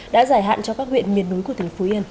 đã giải hạn cho các huyện miền tây